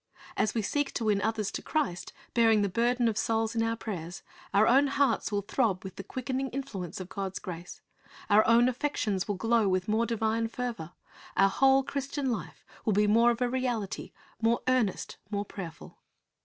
As we seek to win others to Christ, bearing the burden of souls in our prayers, our own hearts will tlirob with the quickening influence of God's grace; our own affections will glow with more divine fervor; our whole Christian life will be more of a reality, more earnest, more prayerful.